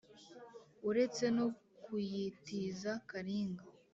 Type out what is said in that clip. uretse no kuyitiza karinga